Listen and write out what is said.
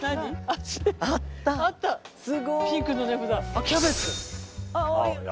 あっキャベツ。